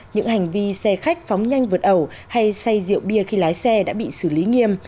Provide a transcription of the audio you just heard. những hành vi xe khách phóng nhanh vượt ẩu hay say rượu bia khi lái xe đã bị xử lý nghiêm